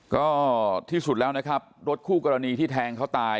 ก็ที่สุดแล้วนะครับรถคู่กรณีที่แทงเขาตาย